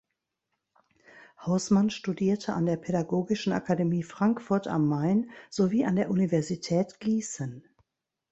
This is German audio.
Hausmann studierte an der Pädagogischen Akademie Frankfurt am Main sowie an der Universität Gießen.